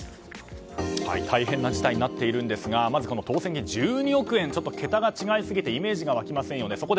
大変な事態になっているんですがまずこの当せん１２億円ちょっと桁が違いすぎてイメージが湧きませんよね。